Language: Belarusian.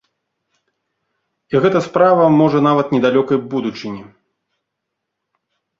І гэта справа можа нават недалёкай будучыні.